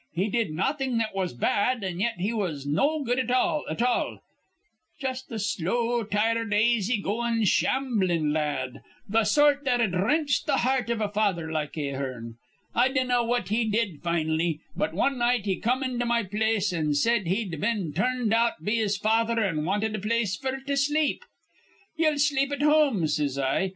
He did nawthin' that was bad; an' yet he was no good at all, at all, just a slow, tired, aisy goin', shamblin' la ad, th' sort that'd wrench th' heart iv a father like Ahearn. I dinnaw what he did fin'lly, but wan night he come into my place an' said he'd been turned out be his father an' wanted a place f'r to sleep. 'Ye'll sleep at home,' says I.